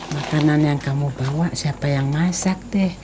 makanan yang kamu bawa siapa yang masak deh